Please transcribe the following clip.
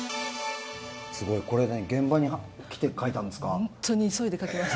すごい、これ、現場に来て描いたんですか。